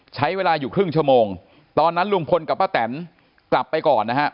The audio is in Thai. ใช้เวลาอยู่ครึ่งชั่วโมงตอนนั้นลุงพลกับป้าแตนกลับไปก่อนนะฮะ